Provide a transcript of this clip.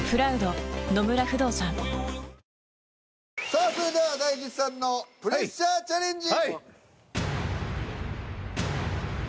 さあそれでは大吉さんのプレッシャーチャレンジ。